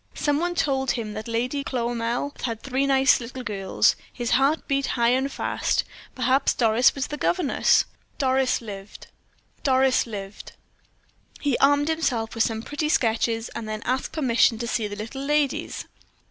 Some one told him that Lady Cloamell had three nice little girls; his heart beat high and fast; perhaps Doris was the governess Doris lived, Doris lived. He armed himself with some pretty sketches, and then asked permission to see the little ladies.